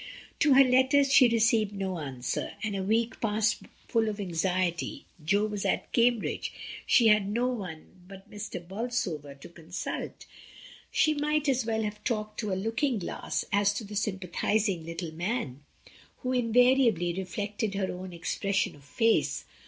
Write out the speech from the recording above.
To her letters she re ceived no answer; and a week passed full of anxiety. Jo was at Cambridge, she had no one but Mr, Bol THE BLACK SHADOWS, 1 59 sover to consult. She might as well have talked to a looking glass as to the sympathising little man, who invariably reflected her own expression of face.